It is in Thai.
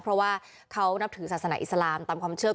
เพราะว่าเขานับถือศาสนาอิสลามตามความเชื่อ